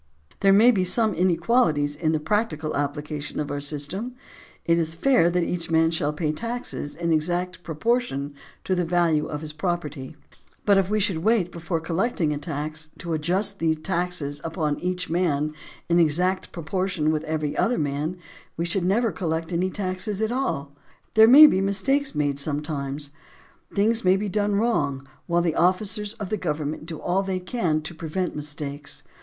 There may be some inequalities in the practical application of our system. It is fair that each man shall pay taxes in exact proportion to the value of his property; but if we should wait, before collecting a tax, to adjust the taxes upon each man in exact proportion with every other man, we should never col lect any tax at all. There may be mistakes made sometimes; things may be done wrong, while the officers of the government do all they can to prevent mistakes.